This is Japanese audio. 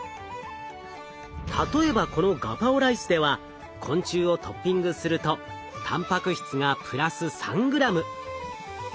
例えばこのガパオライスでは昆虫をトッピングするとたんぱく質がプラス３ｇ。